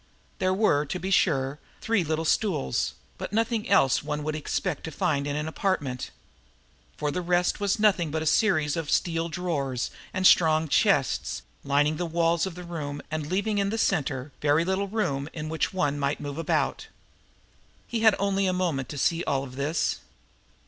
There were, to be sure, three little stools, but nothing else that one would expect to find in an apartment. For the rest there was nothing but a series of steel drawers and strong chests, lining the walls of the room and leaving in the center very little room in which one might move about. He had only a moment to see all of this.